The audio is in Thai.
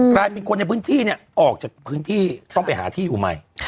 กลายเป็นคนในพื้นที่เนี่ยออกจากพื้นที่ต้องไปหาที่อยู่ใหม่